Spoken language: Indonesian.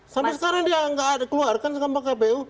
sampai sekarang dia nggak ada keluarkan sama kpu